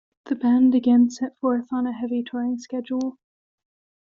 The band again set forth on a heavy touring schedule.